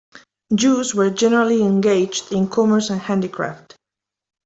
Jews were generally engaged in commerce and handicraft.